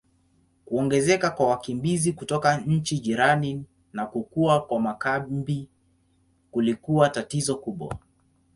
Kuongezeka kwa wakimbizi kutoka nchi jirani na kukua kwa makambi kulikuwa tatizo kubwa.